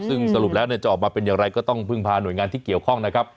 ซึ่งสรุปแล้วจะออกมาเป็นอย่างไรก็ต้องพึ่งพาหน่วยงานที่เกี่ยวข้องนะครับ